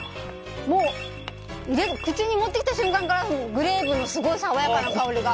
もう口に持ってきた瞬間からグレープのすごい爽やかな香りが。